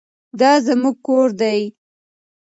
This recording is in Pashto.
دا زموږ کور دی.